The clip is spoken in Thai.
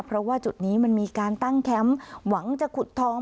เพราะว่าจุดนี้มันมีการตั้งแคมป์หวังจะขุดทอง